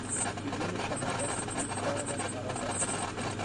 بدون شهادت او کارمان خراب است.